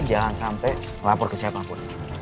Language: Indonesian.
jangan sampai melapor ke siapapun